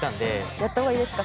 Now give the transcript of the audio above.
やった方がいいですか？